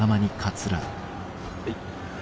はい！